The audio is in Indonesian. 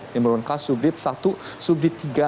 yang merupakan subdit satu subdit tiga